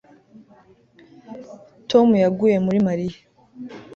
Tom yaguye muri Mariya